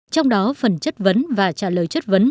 trong đó phần chất vấn và trả lời chất vấn